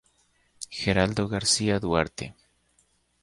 Geraldo García Duarte.